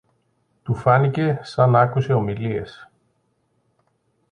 Του φάνηκε σα ν' άκουσε ομιλίες.